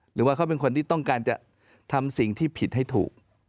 หรือว่าเขาเป็นคนที่ต้องการจะทำสิ่งที่ผิดให้ถูก